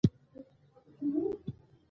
دا خدایي تحفه ده .